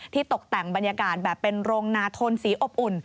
ตกแต่งบรรยากาศแบบเป็นโรงนาทนสีอบอุ่น